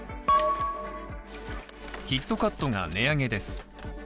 キットカットが値上げです。